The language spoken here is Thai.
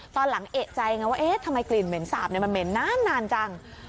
ตอนหลังเอกใจไงว่าเอ๊ะทำไมกลิ่นเหม็นสาบมันเหม็นนานจัง